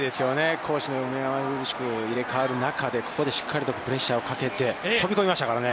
攻守が目まぐるしく入れかわる中で、ここでしっかりプレッシャーをかけて、飛び込みましたからね。